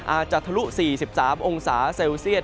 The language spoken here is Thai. อาจจะทะลุ๔๓องศาเซลเซียต